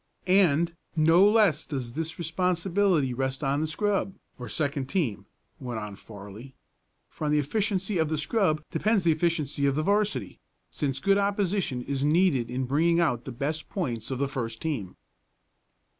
"And, no less does this responsibility rest on the scrub, or second team," went on Farley. "For on the efficiency of the scrub depends the efficiency of the 'varsity, since good opposition is needed in bringing out the best points of the first team."